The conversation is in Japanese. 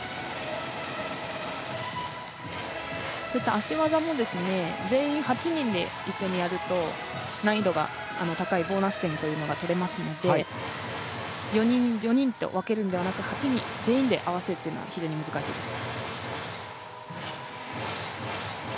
足技も全員８人で一緒にやると難易度が高いボーナス点というのがとれますので４人と分けるのではなく８人全員で合わせるというのは非常に難しいです。